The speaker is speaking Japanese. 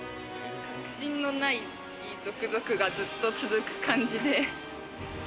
確信のないゾクゾクがずっと続く感じで。